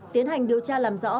tiến hành điều tra làm rõ